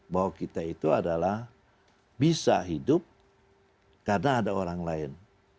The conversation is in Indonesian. bahwa kita itu adalah bisa hidup karena ada orang lain